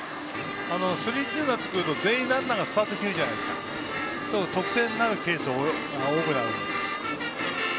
スリーツーになってくるとランナーが全員スタートを切って得点になるケースが多くなるので。